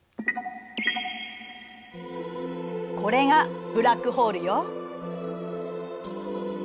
これがブラックホールよ。